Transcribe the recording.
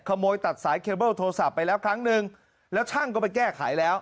ขโมยตัดสายเคเบิ้ลโทรศัพท์ไปแล้วครั้งนึงแล้วช่างก็ไปแก้ไขแล้ว